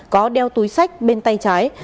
có đeo túi sách bên tay trái